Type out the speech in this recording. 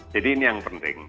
jadi ini yang penting